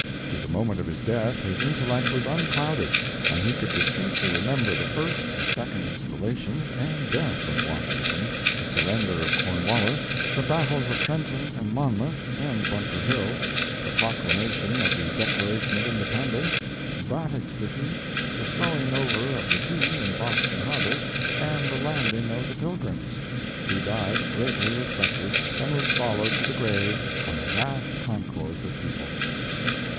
To the moment of his death his intellect was unclouded, and he could distinctly remember the first and second installations and death of Washington, the surrender of Cornwallis, the battles of Trenton and Monmouth, and Bunker Hill, the proclamation of the Declaration of Independence, Braddock's defeat, the throwing over of the tea in Boston harbor, and the landing of the Pilgrims. He died greatly respected, and was followed to the grave by a vast concourse of people.